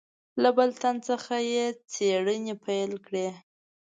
له بل تن څخه یې څېړنې پیل کړې.